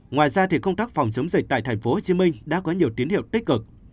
ngoài ra công tác phòng chống dịch tại tp hcm đã có nhiều tiến hiệu tích cực